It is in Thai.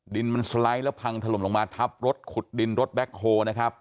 ดินมันสไลด์แล้วพังถล่มลงมาทับรถขุดดินรถแบ็คโฮนะครับ